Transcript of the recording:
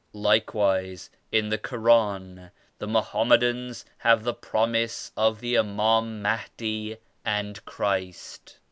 Likewise in the Koran the Mohammedans have the promise of the Imam Mahdi and Christ.